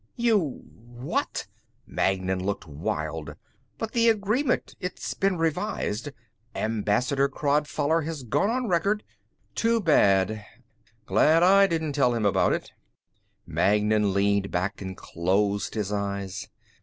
"You what!" Magnan looked wild. "But the agreement it's been revised! Ambassador Crodfoller has gone on record...." "Too bad. Glad I didn't tell him about it." Magnan leaned back and closed his eyes.